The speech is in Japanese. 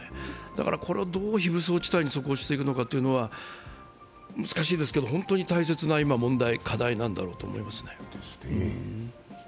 だから、これをどう非武装地帯にそこをしていくのは難しいですけど今、本当に難しい問題、課題なんだろうと思います。